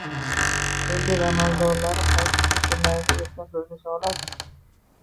O‘zbek amaldorlari qaysi chet tillarida erkin so‘zlasha oladi?